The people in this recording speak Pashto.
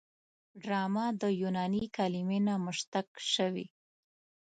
ډرامه د یوناني کلمې نه مشتق شوې.